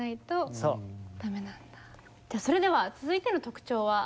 それでは続いての特徴は？